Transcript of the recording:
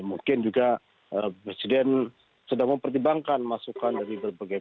mungkin juga presiden sedang mempertimbangkan masukan dari berbagai pihak